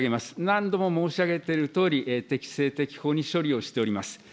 何度も申し上げているとおり、適正適法に処理をしております。